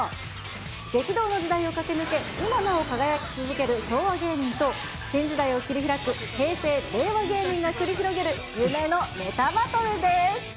激動の時代を駆け抜け、今なお輝き続ける昭和芸人と新時代を切り開く、平成・令和芸人が繰り広げる夢のネタバトルです。